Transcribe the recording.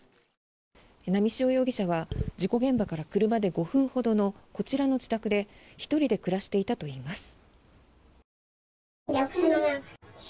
波汐容疑者は事故現場から車で５分ほどのこちらの自宅で１人で暮らしていたといいます。